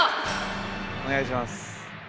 お願いします。